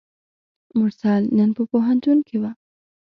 مرسل نن په پوهنتون کې وه.